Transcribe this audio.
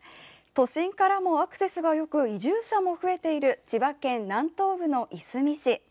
都心からもアクセスがよく移住者も増えている千葉県南東部のいすみ市。